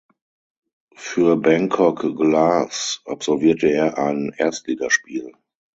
Für Bangkok Glass absolvierte er ein Erstligaspiel.